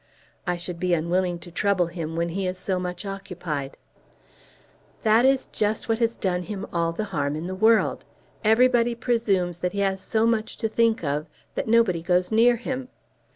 "I should be unwilling to trouble him when he is so much occupied." "That is just what has done him all the harm in the world. Everybody presumes that he has so much to think of that nobody goes near him.